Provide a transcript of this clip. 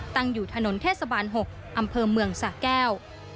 ตั้งอยู่ถนนเทศบาล๖อำเภอเมืองสะแก้ว